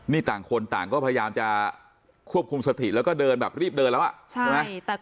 นี่ต่างคนต่างก็พยายามจะควบคุมสถิษฐ์